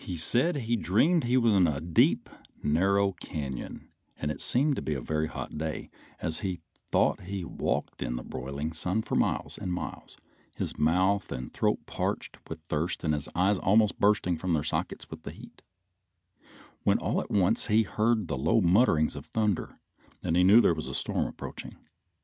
He said he dreamed he was in a deep narrow canyon, and it seemed to be a very hot day, and he thought he walked in the broiling hot sun for miles and miles, his mouth and throat parched with thirst and his eyes almost bursting from their sockets with the heat, when all at once he heard the low mutterings of thunder and he knew there was a storm approaching.